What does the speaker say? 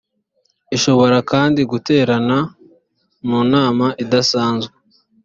ishobora kandi guterana mu nama idasanzwe